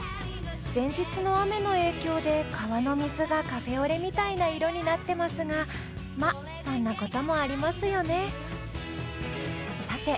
前日の雨の影響で川の水がカフェオレみたいな色になってますがまっそんなこともありますよね